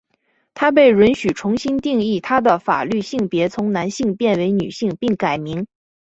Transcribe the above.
她被允许重新定义她的法律性别从男性变为女性并改名。